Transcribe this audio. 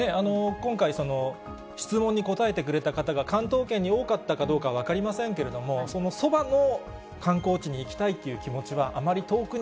今回、質問に答えてくれた方が関東圏に多かったかどうか分かりませんけれども、そばの観光地に行きたいっていう気持ちは、あまり遠くに